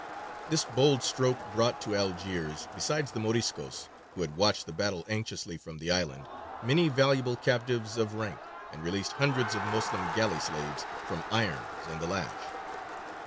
This bold stroke brought to Algiers, besides the Moriscos, who had watched the battle anxiously from the island, many valuable captives of rank, and released hundreds of Moslem galley slaves from irons and the lash.